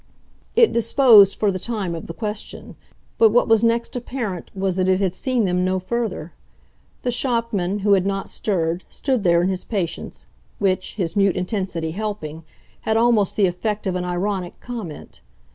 It disposed for the time of the question, but what was next apparent was that it had seen them no further. The shopman, who had not stirred, stood there in his patience which, his mute intensity helping, had almost the effect of an ironic comment.